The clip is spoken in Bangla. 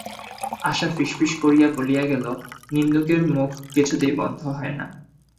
আশা ফিসফিস করিয়া বলিয়া গেল, নিন্দুকের মুখ কিছুতেই বন্ধ হয় না।